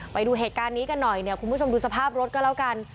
ไปดูเหตุการณ์นี้กันหน่อยเนี่ยคุณผู้ชมดูสภาพรถก็แล้วกัน